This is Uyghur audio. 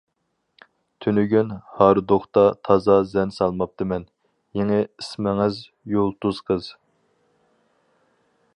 تۈنۈگۈن ھاردۇقتا تازا زەن سالماپتىمەن، يېڭى ئىسمىڭىز. -يۇلتۇز قىز.